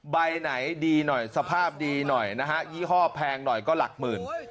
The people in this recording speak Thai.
ใบไหนดีหน่อยสภาพดีหน่อยนะฮะยี่ห้อแพงหน่อยก็หลักหมื่น